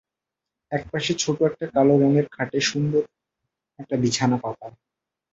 এক পাশে ছোট্ট একটি কালো রঙের খাটে সুন্দর একটি বিছানা পাতা।